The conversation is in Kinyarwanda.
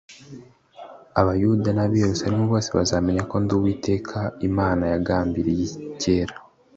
abuyuda n ab i yerusalemu bose bazamenya ko ndi uwiteka imana yagambiriye kera